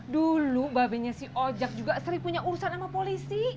dulu babinya si ojek juga sering punya urusan sama polisi